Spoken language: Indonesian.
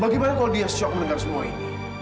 bagaimana kalau dia shock mendengar semua ini